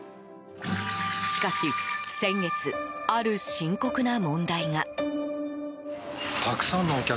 しかし、先月ある深刻な問題が。